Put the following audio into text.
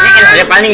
ini kan sedih paling